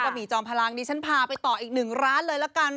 หมี่จอมพลังดิฉันพาไปต่ออีกหนึ่งร้านเลยละกัน